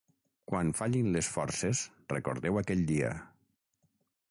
Quan fallin les forces recordeu aquell dia.